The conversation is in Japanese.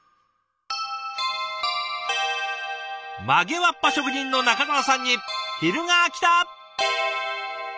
曲げわっぱ職人の仲澤さんに昼がきた。